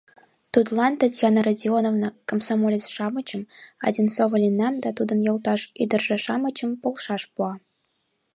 — Тудлан Татьяна Родионовна комсомолец-шамычым — Одинцова Ленам да тудын йолташ ӱдыржӧ-шамычым полшаш пуа.